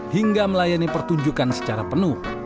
hingga melayani pertunjukan secara penuh